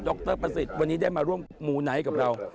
รประสิทธิ์วันนี้ได้มาร่วมมูไนท์กับเรา